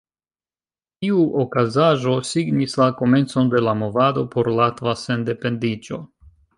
Tiu okazaĵo signis la komencon de la movado por latva sendependiĝo.